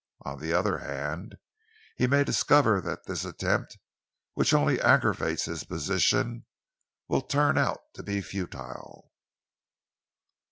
On the other hand, he may discover that this attempt, which only aggravates his position, will turn out to be futile."